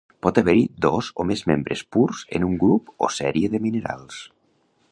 Pot haver-hi dos o més membres purs en un grup o sèrie de minerals.